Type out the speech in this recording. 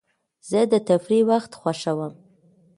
زه د تفریح وخت خوښوم.